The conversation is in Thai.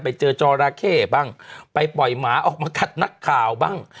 จอราเข้บ้างไปปล่อยหมาออกมาคัดนักข่าวบ้าง